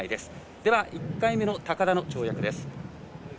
では、１回目の高田の跳躍です。